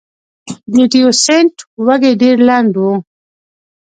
د تیوسینټ وږی ډېر لنډ و.